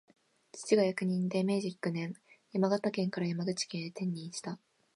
父が役人で、明治九年、山形県から山口県へ転任した